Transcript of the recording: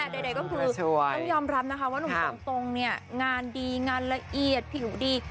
ใดก็คือต้องยอมรับนะคะว่าหนุ่มตรงเนี่ยงานดีงานละเอียดผิวดี